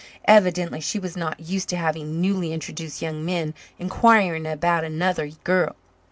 Evidently she was not used to having newly introduced young men inquiring about another girl.